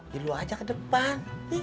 ya lu aja ke depan